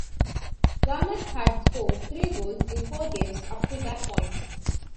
Vanek had scored three goals in four games up to that point.